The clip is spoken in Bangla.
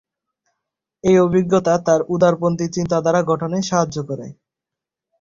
এই অভিজ্ঞতা তাঁর উদারপন্থী চিন্তাধারা গঠনে সাহায্য করে।